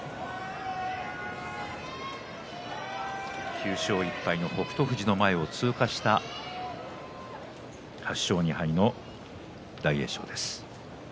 ９勝１敗の北勝富士の前を通過した８勝２敗の大栄翔です。